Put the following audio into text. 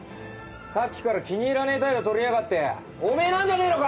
さっきから気に入らねえ態度取りやがっておめえなんじゃねえのか！